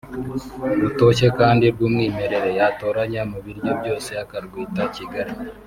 rutoshye kandi rw’umwimerere yatoranya mu biryo byose akarwita Kigali